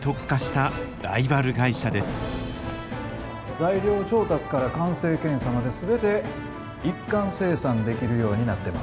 材料調達から完成検査まで全て一貫生産できるようになってますんで。